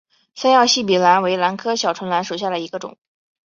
三药细笔兰为兰科小唇兰属下的一个种。